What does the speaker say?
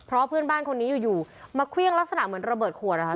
เพราะเพื่อนบ้านคนนี้อยู่มาเครื่องลักษณะเหมือนระเบิดขวดนะคะ